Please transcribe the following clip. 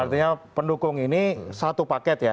artinya pendukung ini satu paket ya